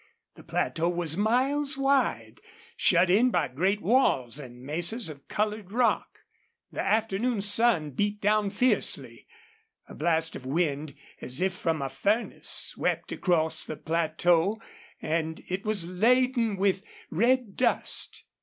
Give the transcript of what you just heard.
The plateau was miles wide, shut in by great walls and mesas of colored rock. The afternoon sun beat down fiercely. A blast of wind, as if from a furnace, swept across the plateau, and it was laden with red dust.